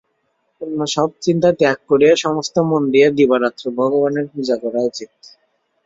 অন্য সব চিন্তা ত্যাগ করিয়া সমস্ত মন দিয়া দিবারাত্র ভগবানের পূজা করা উচিত।